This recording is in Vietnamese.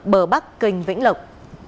bờ bắc kinh vĩnh lộc